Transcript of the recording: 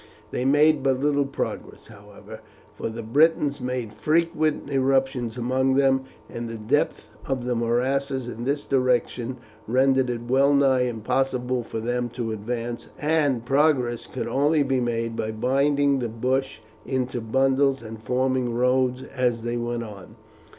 They made but little progress, however, for the Britons made frequent eruptions among them, and the depth of the morasses in this direction rendered it well nigh impossible for them to advance, and progress could only be made by binding the bush into bundles and forming roads as they went on.